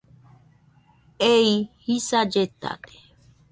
Ei jisa lletade.